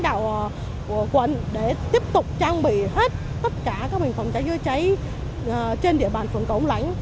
đạo quận để tiếp tục trang bị hết tất cả các bình phòng cháy chữa cháy trên địa bàn phường cầu âm lãnh